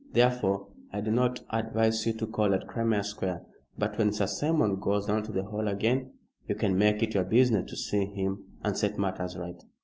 Therefore, I do not advise you to call at Crimea Square. But when Sir Simon goes down to the Hall again, you can make it your business to see him and set matters right."